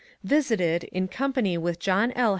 Visited, in company with John L.